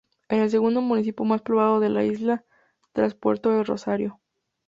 Es el segundo municipio más poblado de la isla, tras Puerto del Rosario.